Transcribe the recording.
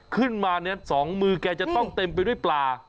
ขึ้นมาเนี่ย๒มือแกจะต้องเต็มไปด้วยปลา